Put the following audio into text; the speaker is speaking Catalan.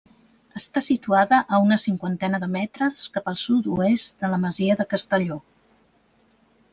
Està situada a una cinquantena de metres cap al sud-oest de la masia de Castelló.